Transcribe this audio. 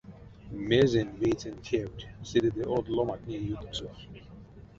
Мезень вейсэнь тевть сыре ды од ломантнень ютксо?